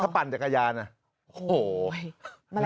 ถ้าปั่นจักรยาน